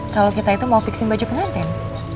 kalo kita itu mau fixin baju pengantin